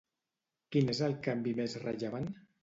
Quin és el canvi més rellevant?